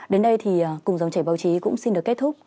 đến đây thì cùng dòng chảy báo chí cũng xin được kết thúc